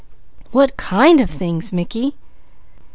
"What kind of things, Mickey?"